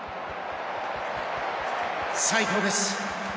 最高です！